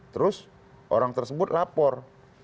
terus orang tersebut lapor